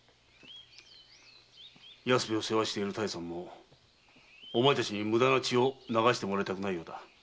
安兵衛を世話している多江さんもお前たちに無駄な血を流してもらいたくないようだ。